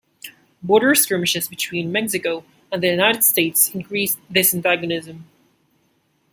Border skirmishes between Mexico and the United States increased this antagonism.